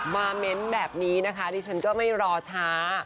มาเมนต์แบบนี้นะคะที่ฉันก็ไม่รอช้า